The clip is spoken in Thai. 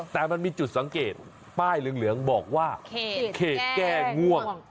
แต่มันมีจุดสังเกตป้ายเหลืองบอกว่าเขตแก้ง่วง